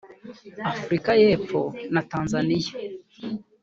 Afurika y’Epfo na Tanzania